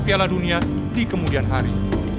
piala dunia di kemudian hari